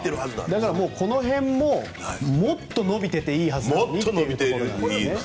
だから、この辺ももっと伸びていていいはずなんですよね。